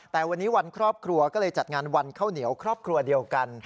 แต่วันนี้วันครอบครัวก็เลยจัดงานวันข้าวเหนียวครอบครัวเดียวกัน